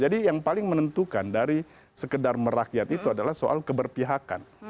jadi yang paling menentukan dari sekedar merakyat itu adalah soal keberpihakan